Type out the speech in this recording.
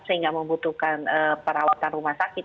sehingga membutuhkan perawatan rumah sakit